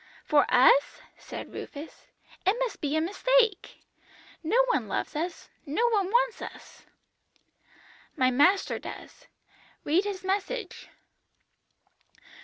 "'For us?' said Rufus; 'it must be a mistake. No one loves us, no one wants us.' "'My Master does. Read His message.'